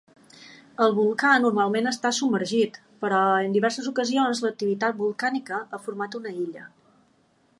El volcà normalment està submergit però en diverses ocasions l'activitat volcànica ha format una illa.